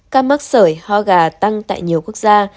các mắc sởi ho gà tăng tại nhiều quốc gia